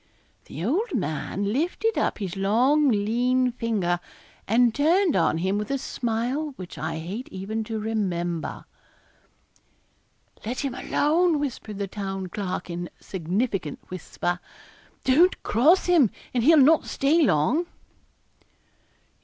The old man lifted up his long lean finger, and turned on him with a smile which I hate even to remember. 'Let him alone,' whispered the Town Clerk, in a significant whisper, 'don't cross him, and he'll not stay long.'